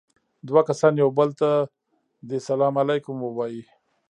دوه کسان يو بل ته دې سلام عليکم ووايي.